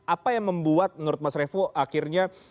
apa yang membuat menurut mas revo akhirnya